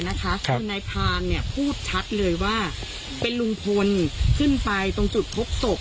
นะคะครับคือนายพานเนี้ยพูดชัดเลยว่าเป็นลุงพลขึ้นไปตรงจุดพกศพ